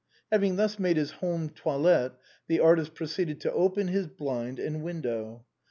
Having thus made his home toilette, the artist proceeded to open his blind and window.